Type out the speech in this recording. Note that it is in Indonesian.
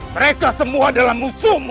mereka semua adalah musuhmu